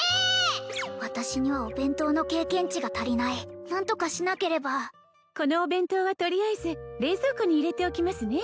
私にはお弁当の経験値が足りない何とかしなければこのお弁当はとりあえず冷蔵庫に入れておきますね